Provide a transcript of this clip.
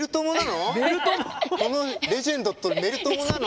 このレジェンドとメル友なの？